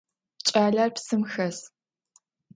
Кӏалэр псым хэс.